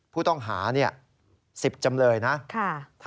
ผู้ต้องหา๑๐จำเลยนะครับฮะ